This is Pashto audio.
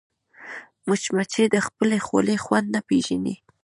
مچمچۍ د خپلې خولې خوند نه پېژني